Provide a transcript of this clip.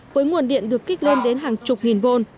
với nguồn điện được kích lên đến hàng chục nghìn v